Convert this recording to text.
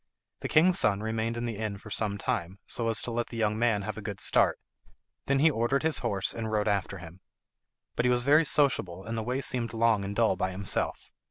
The king's son remained in the inn for some time, so as to let the young man have a good start; them he ordered his horse and rode after him. But he was very sociable and the way seemed long and dull by himself.